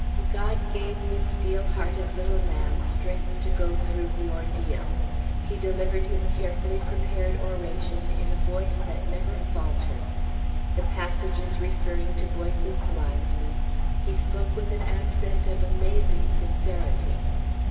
God gave the steel hearted little man strength to go through the ordeal. He delivered his carefully prepared oration in a voice that never faltered. The passages referring to Boyce's blindness he spoke with an accent of amazing sincerity.